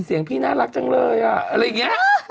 เสียงพี่น่ารักจังเลยอ่ะอะไรอย่างนี้